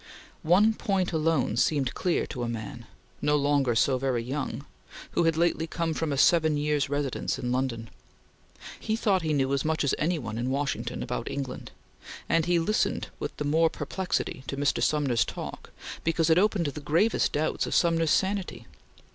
One point alone seemed clear to a man no longer so very young who had lately come from a seven years' residence in London. He thought he knew as much as any one in Washington about England, and he listened with the more perplexity to Mr. Sumner's talk, because it opened the gravest doubts of Sumner's sanity.